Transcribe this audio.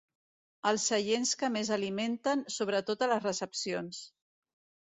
Els seients que més alimenten, sobretot a les recepcions.